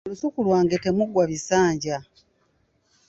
Mu lusuku lwange temuggwa bisinja.